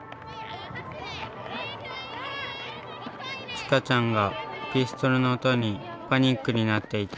ちかちゃんがピストルの音にパニックになっていた。